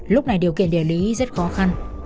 lúc này điều kiện địa lý rất khó khăn